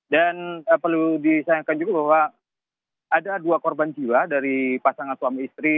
dan perlu disayangkan juga bahwa ada dua korban jiwa dari pasangan suami istri